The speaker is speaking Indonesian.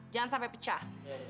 jangan sampai pecah